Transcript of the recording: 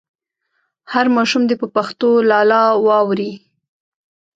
هر ماشوم دې په پښتو لالا واوري.